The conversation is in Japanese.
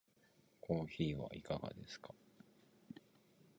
コーヒーはいかがですか？